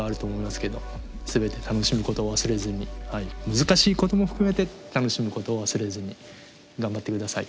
難しいことも含めて楽しむことを忘れずに頑張って下さい。